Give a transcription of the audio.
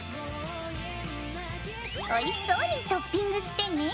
おいしそうにトッピングしてね。